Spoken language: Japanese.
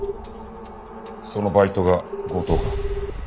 そのバイトが強盗か。